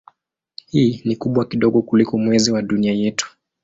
Hii ni kubwa kidogo kuliko Mwezi wa Dunia yetu.